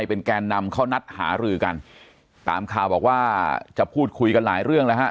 เป็นแกนนำเขานัดหารือกันตามข่าวบอกว่าจะพูดคุยกันหลายเรื่องแล้วฮะ